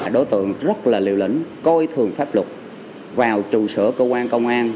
đối tượng rất là liều lĩnh coi thường pháp luật vào trụ sở cơ quan công an